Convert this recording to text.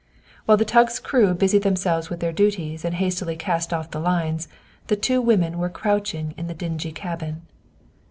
While the tug's crew busied themselves with their duties and hastily cast off the lines, the two women were crouching in the dingy cabin.